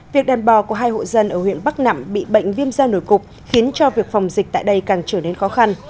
việc đàn bò của hai hộ dân ở huyện bắc nẵm bị bệnh viêm da nổi cục khiến cho việc phòng dịch tại đây càng trở nên khó khăn